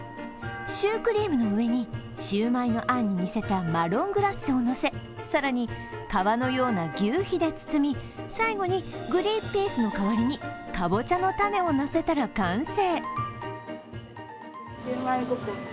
シュークリームの上にシューマイのあんに似せたマロングラッセをのせ、更に皮のようなぎゅうひで包み、最後にグリンピースの代わりにカボチャの種をのせたら完成。